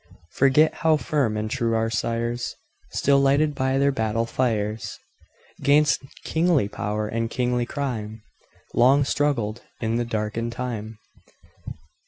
Forget how firm and true our sires, Still lighted by their battle fires,'Gainst kingly power and kingly crime, Long struggled in the darkened time?